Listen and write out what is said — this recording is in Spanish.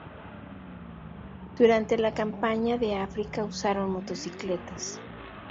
Durante la campaña de África usaron motocicletas.